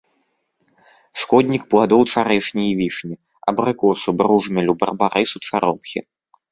Шкоднік пладоў чарэшні і вішні, абрыкосу, бружмелю, барбарысу, чаромхі.